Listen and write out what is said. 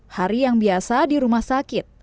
hari yang biasa di rumah sakit